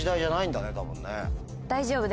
大丈夫？